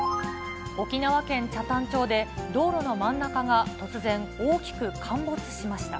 沖縄県北谷町で、道路の真ん中が突然、大きく陥没しました。